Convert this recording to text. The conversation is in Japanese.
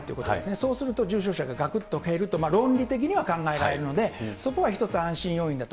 そうすると、重症者ががくっと減ると論理的には考えられるので、そこは一つ、安心要因だと。